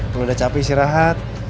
kalau udah capek istirahat